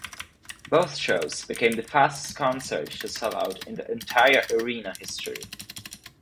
Both shows became the fastest concert to sell out the entire arena in history.